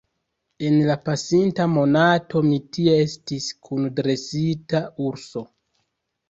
En la pasinta monato mi tie estis kun dresita urso.